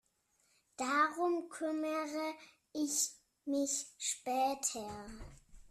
Darum kümmere ich mich später.